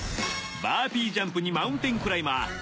バーピージャンプにマウンテンクライマー